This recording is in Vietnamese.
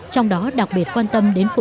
trong đó đặc biệt quan tâm đến phụ nữ